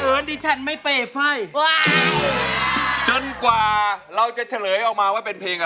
แมตตัวพี่เองก็อย่ามาเชื่อแบบนั้นนะ